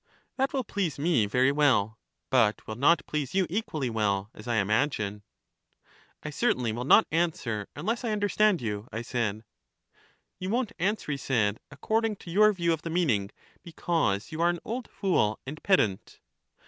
That will please me very well; but will not please you equally well, as I imagine. I certainly will not answer unless I understand you, I said. You won't answer, he said, according to your view of the meaning, because you are an old fool and pedant.